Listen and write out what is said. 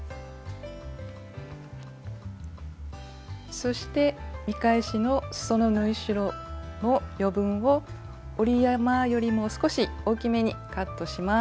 そして見返しのすその縫い代の余分を折り山よりも少し大きめにカットします。